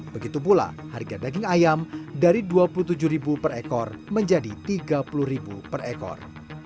begitu pula harga daging ayam dari rp dua puluh tujuh per ekor menjadi rp tiga puluh per ekor